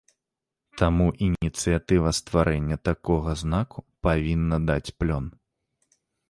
Таму ініцыятыва стварэння такога знаку павінна даць плён.